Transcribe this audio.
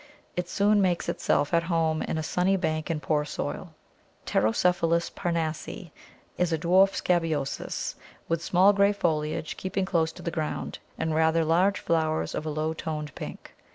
It soon makes itself at home in a sunny bank in poor soil. Pterocephalus parnassi is a dwarf Scabious, with small, grey foliage keeping close to the ground, and rather large flowers of a low toned pink.